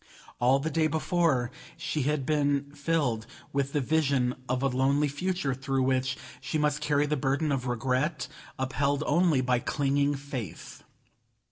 All the day before she had been filled with the vision of a lonely future through which she must carry the burthen of regret, upheld only by clinging faith.